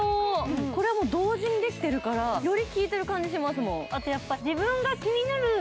これもう同時にできてるからより効いてる感じしますもん。